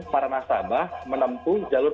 para nasabah menempuh jalur